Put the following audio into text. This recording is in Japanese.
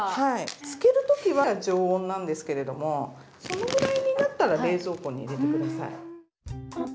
漬けるときは常温なんですけれどもそのぐらいになったら冷蔵庫に入れて下さい。